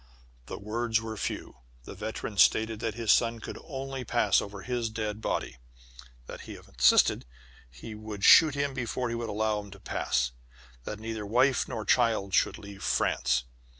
The words were few. The veteran stated that his son could only pass over his dead body that if he insisted, he would shoot him before he would allow him to pass: that neither wife nor child should leave France.